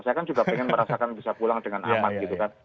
saya kan juga pengen merasakan bisa pulang dengan aman gitu kan